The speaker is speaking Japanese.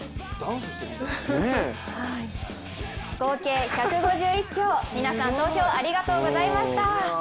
合計１５１票、皆さん投票ありがとうございました。